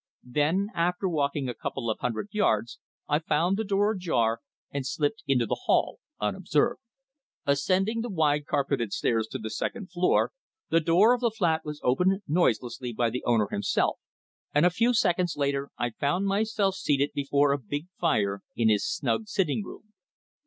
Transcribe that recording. Then, after walking a couple of hundred yards, I found the door ajar and slipped into the hall unobserved. Ascending the wide carpeted steps to the second floor, the door of the flat was opened noiselessly by the owner himself, and a few seconds later I found myself seated before a big fire in his snug sitting room.